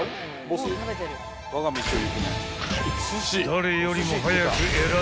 ［誰よりも早く選び］